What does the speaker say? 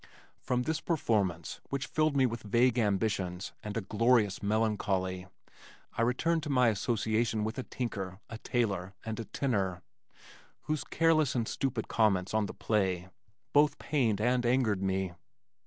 From this performance, which filled me with vague ambitions and a glorious melancholy, I returned to my association with a tinker, a tailor, and a tinner, whose careless and stupid comments on the play both pained and angered me.